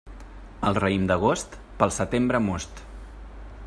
El raïm d'agost, pel setembre most.